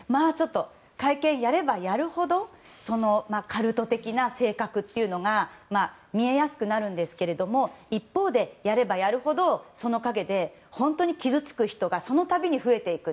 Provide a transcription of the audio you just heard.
会見をやればやるほどカルト的な性格というのが見えやすくなるんですが一方で、やればやるほどその陰で、本当に傷つく人がそのたび増えていく。